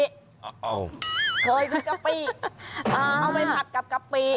อ้าวเคยก็คือกะปิเอาไปผัดกับกะปิ